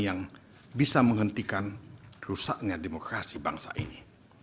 yang bisa menghentikan rusaknya demokrasi bangsa ini